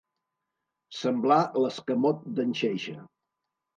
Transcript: Semblar l'escamot d'en Xeixa.